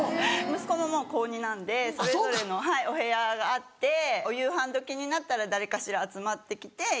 息子ももう高２なんでそれぞれのお部屋があってお夕飯時になったら誰かしら集まってきて一緒に。